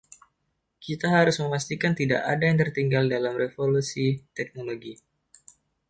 Kita harus memastikan tidak ada yang tertinggal dalam revolusi teknologi.